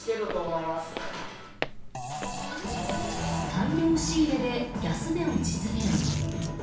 大量仕入れで、安値を実現。